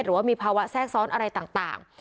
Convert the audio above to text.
หรือว่ามีภาวะแทรกซ้อนอะไรต่าง